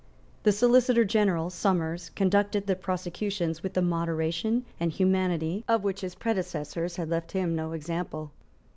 The Solicitor General, Somers, conducted the prosecutions with a moderation and humanity of which his predecessors had left him no example.